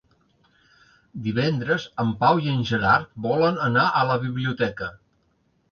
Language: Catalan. Divendres en Pau i en Gerard volen anar a la biblioteca.